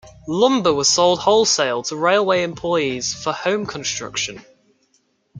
Lumber was sold wholesale to railway employees, for home construction.